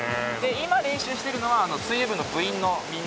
今練習してるのは水泳部の部員のみんな。